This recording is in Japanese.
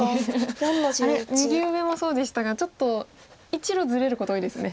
右上もそうでしたがちょっと１路ずれること多いですね。